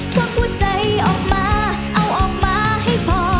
พวกหัวใจออกมาเอาออกมาให้พอ